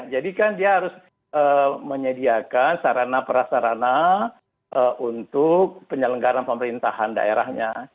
jadi kan dia harus menyediakan sarana perasarana untuk penyelenggaran pemerintahan daerahnya